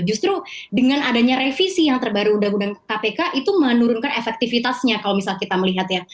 justru dengan adanya revisi yang terbaru undang undang kpk itu menurunkan efektivitasnya kalau misal kita melihat ya